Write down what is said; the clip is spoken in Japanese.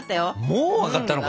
もう分かったの？